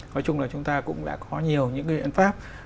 nói chung là chúng ta cũng đã có nhiều những cái biện pháp